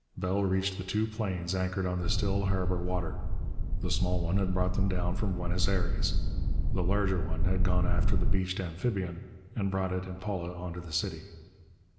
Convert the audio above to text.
Bell reached the two planes anchored on the still harbor water. The smaller one had brought them down from Buenos Aires. The larger one had gone after the beached amphibian and brought it and Paula on to the city.